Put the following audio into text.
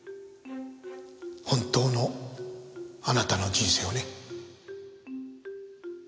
本当のあなたの人生をね。